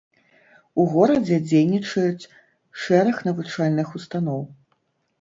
У горадзе дзейнічаюць шэраг навучальных устаноў.